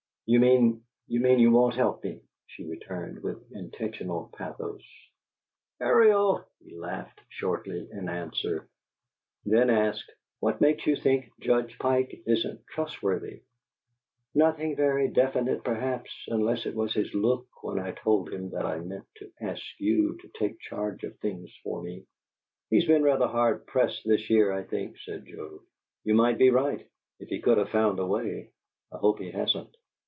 "You mean you mean you won't help me?" she returned, with intentional pathos. "Ariel!" he laughed, shortly, in answer; then asked, "What makes you think Judge Pike isn't trustworthy?" "Nothing very definite perhaps, unless it was his look when I told him that I meant to ask you to take charge of things for me." "He's been rather hard pressed this year, I think," said Joe. "You might be right if he could have found a way. I hope he hasn't."